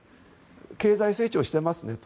経済成長してますねと。